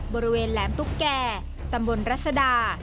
บริเวณแหลมตุ๊กแก่ตำบลรัศดา